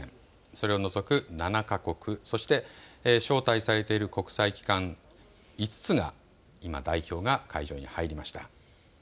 それを除く７か国、そして招待されている国際機関５つが今、代表が会場に入りました。